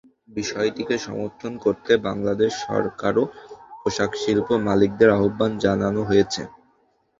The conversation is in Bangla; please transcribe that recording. বিষয়টিকে সমর্থন করতে বাংলাদেশ সরকার ও পোশাকশিল্প মালিকদের আহ্বান জানানো হয়েছে।